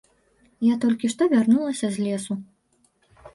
Я толькі што вярнулася з лесу.